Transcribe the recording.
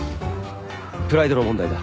プライドの問題だ。